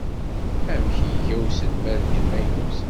Amek i iga uselmad-nni amaynut?